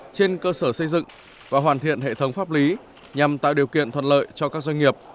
trên cơ sở xây dựng và hoàn thiện hệ thống pháp lý nhằm tạo điều kiện thuận lợi cho các doanh nghiệp